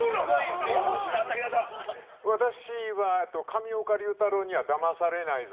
私は、上岡龍太郎にはダマされないぞ！